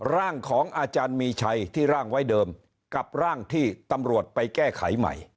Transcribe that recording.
ร่างของอาจารย์มีชัยที่ร่างไว้เดิมกับร่างที่ตำรวจไปแก้ไขใหม่